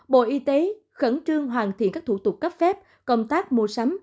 bộ y tế khẩn trương hoàn thiện các thủ tục cấp phép công tác mua sắm